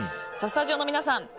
スタジオの皆さん